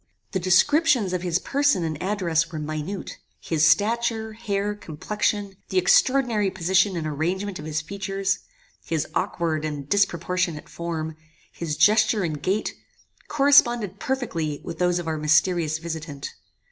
"The descriptions of his person and address were minute. His stature, hair, complexion, the extraordinary position and arrangement of his features, his aukward and disproportionate form, his gesture and gait, corresponded perfectly with those of our mysterious visitant.